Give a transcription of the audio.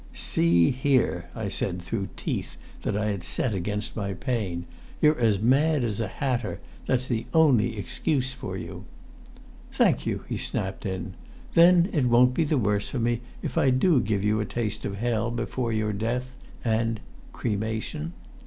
"See here," I said through the teeth that I had set against my pain. "You're as mad as a hatter; that's the only excuse for you " "Thank you!" he snapped in. "Then it won't be the worse for me if I do give you a taste of hell before your death and cremation!"